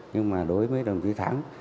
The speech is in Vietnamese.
nhưng đối với đồng chí thắng